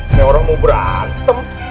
ini orang mau berantem